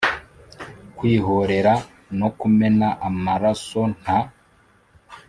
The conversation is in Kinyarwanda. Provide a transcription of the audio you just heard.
Kwihorera m no kumena amaraso nta